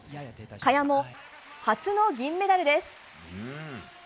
萱も、初の銀メダルです。